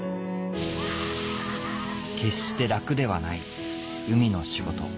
決して楽ではない海の仕事